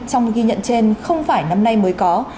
trong ghi nhận trên không phải năm nay mới có